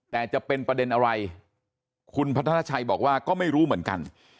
แต่จะเป็นประเด็นอะไรคุณพัฒนาชัยบอกว่าก็ไม่รู้เหมือนกัน